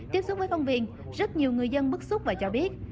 tiếp xúc với công viên rất nhiều người dân bức xúc và cho biết